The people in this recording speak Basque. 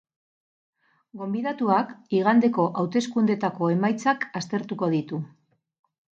Gonbidatuak igandeko hauteskundeetako emaitzak aztertuko ditu.